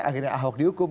akhirnya ahok dihukum